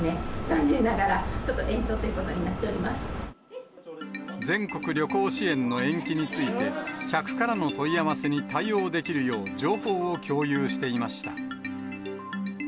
残念ながら、ちょっと延長という全国旅行支援の延期について、客からの問い合わせに対応できるよう、情報を共有していました。